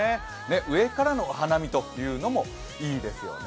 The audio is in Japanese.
上からのお花見というのもいいですよね。